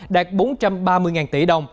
đạt bốn trăm ba mươi usd